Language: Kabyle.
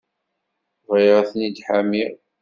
Bɣiɣ ad ten-ḥamiɣ.